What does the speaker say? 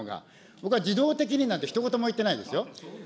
僕は自動的になんてひと言も言ってないですよ。